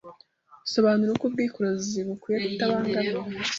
Sobanura uko ubwikorezi bukwiye kutabangamira